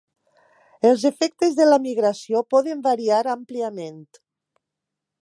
Els efectes de la migració poden variar àmpliament.